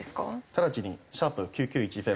直ちに♯９９１０